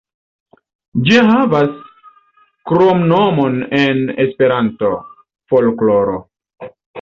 Ĝi havas kromnomon en Esperanto: "Folkloro".